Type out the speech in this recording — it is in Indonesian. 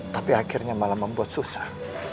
tapi akhirnya malah membuat susah